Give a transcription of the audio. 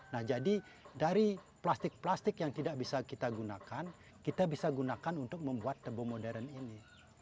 nah jadi dari plastik plastik yang tidak bisa kita gunakan kita bisa gunakan untuk membuat tebu modern ini